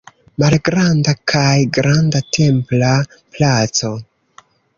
Malgranda kaj Granda templa placo.